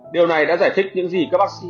điều này đã giải thích những gì các bác sĩ